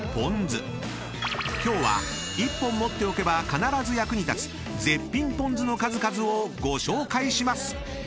［今日は１本持っておけば必ず役に立つ絶品ぽん酢の数々をご紹介します！］